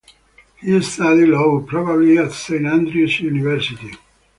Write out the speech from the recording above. He studied Law (probably at St Andrews University).